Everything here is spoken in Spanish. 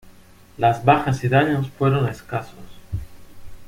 Las bajas y daños fueron escasos.